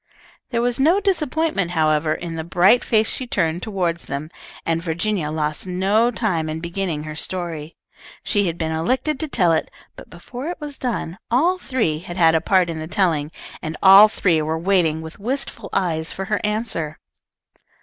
There was no disappointment, however, in the bright face she turned toward them, and Virginia lost no time in beginning her story. She had been elected to tell it, but before it was done all three had had a part in the telling, and all three were waiting with wistful eyes for her answer.